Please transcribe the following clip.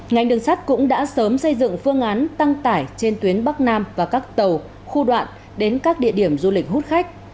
ngành đường sắt cũng đã sớm xây dựng phương án tăng tải trên tuyến bắc nam và các tàu khu đoạn đến các địa điểm du lịch hút khách